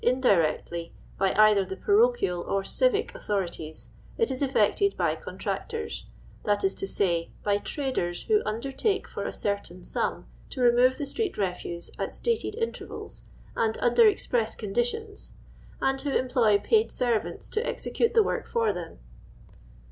indirectly by either the parochial or civic authori : ties, it is effectt^d l)ycontritctori<, that is to siiy, by , traders who under; ako f^r a certain sum to re 1 move the stieet reliise at stated intervals and i under express condition:*, and who emphiy paid servants to execute the work for then).